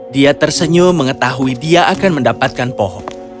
dia tersenyum mengetahui dia akan mendapatkan pohon